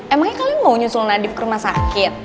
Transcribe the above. emangnya kalian mau nyusul nadif ke rumah sakit